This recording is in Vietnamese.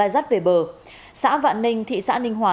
xã vạn ninh thị xã ninh hòa